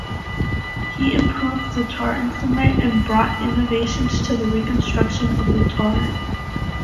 He improved the tar instrument and brought innovations to the reconstruction of the tar.